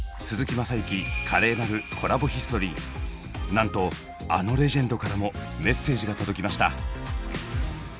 なんとあのレジェンドからもメッセージが届きました。